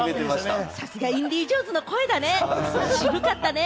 さすが『インディ・ジョーンズ』の声だね、渋かったね。